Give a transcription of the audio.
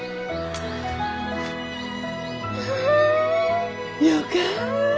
わあ。よか。